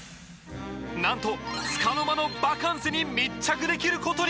なんとつかの間のバカンスに密着できる事に！